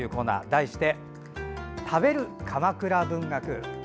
題して「食べる！鎌倉文学」。